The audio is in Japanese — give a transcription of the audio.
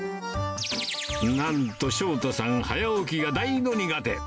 なんと翔太さん、早起きが大の苦手。